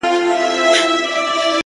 • د اله زار خبري ډېري ښې دي،